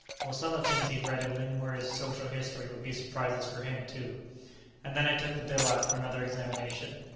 Well, some of the things he'd read in Lingmuir's Social History would be surprises for him, too. And then I took the bill out for another examination.